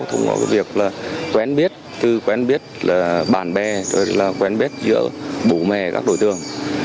thông qua việc quen biết từ quen biết bạn bè quen biết giữa bố mẹ các đối tượng